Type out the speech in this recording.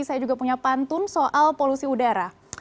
saya juga punya pantun soal polusi udara